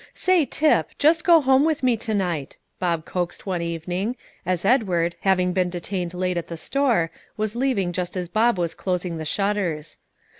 "Say, Tip, just go home with me to night," Bob coaxed one evening, as Edward, having been detained late at the store, was leaving just as Bob was closing the shutters.